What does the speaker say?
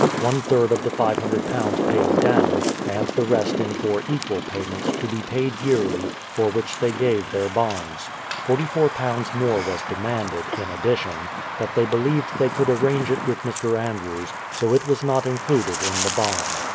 ; one third of the £500 paid down, and the rest in four equal payments, to be paid yearly, for which they gave their bonds. £44 more was demanded, in addition; but they believed they could arrange it with Mr. Andrews, so it was not included in the bond.